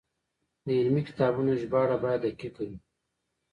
د علمي کتابونو ژباړه باید دقیقه وي.